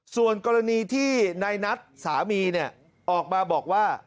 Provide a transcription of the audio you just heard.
ส่วนกรณีที่นายนัทสามีออกมาบอกว่า